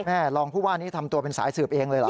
รองผู้ว่านี้ทำตัวเป็นสายสืบเองเลยเหรอ